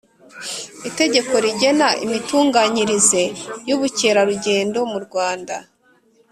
Itegeko rigena imitunganyirize yUbukerarugendo mu Rwanda